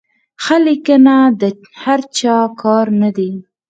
ښه لیکنه د هر چا کار نه دی.